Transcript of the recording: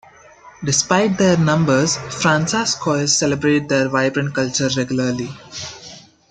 Despite their numbers, Fransaskois celebrate their vibrant culture regularly.